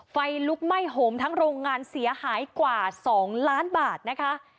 ไฟลุกไหม้โหมทั้งโรงงานเสียหายกว่า๒ล้านบาทนะคะ